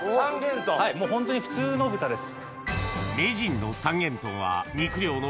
もうホントに普通の豚です。